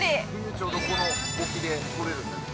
◆ちょうどこの沖で取れるんだけど。